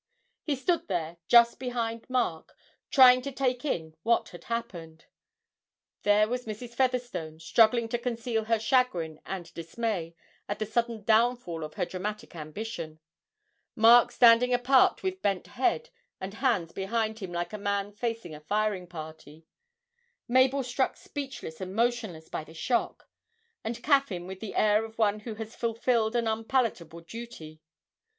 He stood there just behind Mark, trying to take in what had happened. There was Mrs. Featherstone struggling to conceal her chagrin and dismay at the sudden downfall of her dramatic ambition; Mark standing apart with bent head and hands behind him like a man facing a firing party; Mabel struck speechless and motionless by the shock; and Caffyn with the air of one who has fulfilled an unpalatable duty.